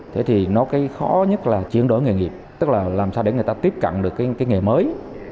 thế thì nó cái khó nhất là chuyển đổi nghề nghiệp tức là làm sao để người ta tiếp cận được cái nghề mới